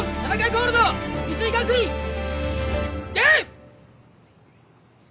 コールド美杉学院ゲーム！